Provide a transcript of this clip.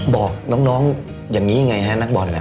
บอกน้องอย่างนี้ยังไงฮะนักบอล